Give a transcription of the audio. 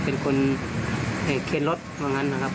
เป็นคนเฮนรถบางงานนะครับ